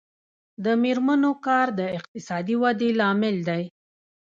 د میرمنو کار د اقتصادي ودې لامل دی.